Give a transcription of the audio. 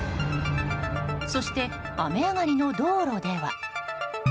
そして雨上がりの道路では。